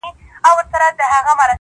هره شېبه ولګېږي زر شمعي.!